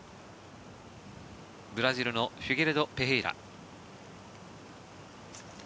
ブラジルのフィゲレド・ペヘイラ。